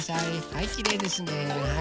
はいきれいですね。